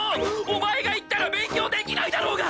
お前が逝ったら勉強できないだろうが！